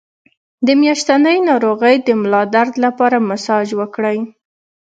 د میاشتنۍ ناروغۍ د ملا درد لپاره مساج وکړئ